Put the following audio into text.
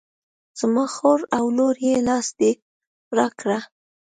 زما خور او لور یې لاس دې را کړه.